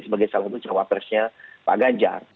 sebagai salah satu cawapresnya pak ganjar